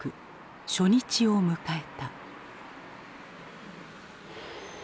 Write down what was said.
初日を迎えた。